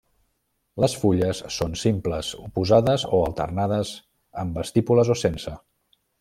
Les fulles són simples oposades o alternades amb estípules o sense.